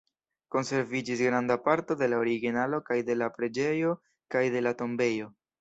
Konserviĝis granda parto de la originalo kaj de la preĝejo kaj de la tombejo.